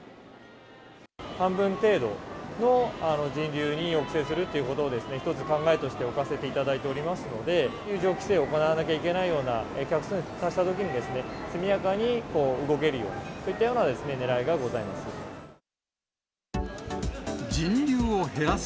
半分程度の人流に抑制するということを、一つ考えとして置かせていただいておりますので、入場規制を行わなきゃいけないような客数に達したときに、速やかに動けるように、そういったようなねらいがございます。